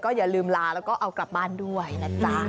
อย่าลืมลาแล้วก็เอากลับบ้านด้วยนะจ๊ะ